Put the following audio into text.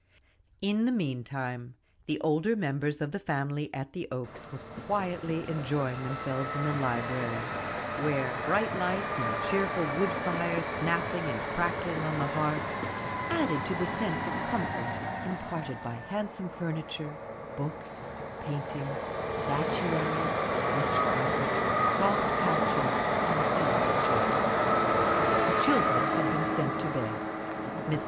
In the meantime, the older members of the family at the Oaks were quietly enjoying themselves in the library, where bright lights, and a cheerful wood fire snapping and crackling on the hearth, added to the sense of comfort imparted by handsome furniture, books, painting, statuary, rich carpet, soft couches, and easy chairs. The children had been sent to bed. Mr.